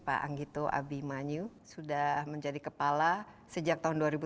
pak anggito abimanyu sudah menjadi kepala sejak tahun dua ribu tujuh belas